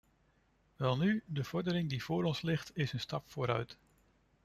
Welnu, de verordening die voor ons ligt, is een stap vooruit.